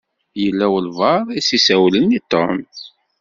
Yella walebɛaḍ i s-isawlen i Tom.